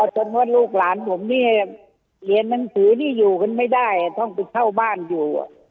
จนว่าลูกหลานผมนี่เรียนหนังสือนี่อยู่กันไม่ได้ต้องไปเช่าบ้านอยู่